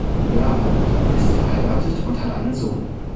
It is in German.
Blood ist verheiratet und hat einen Sohn.